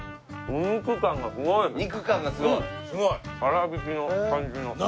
粗びきの感じの。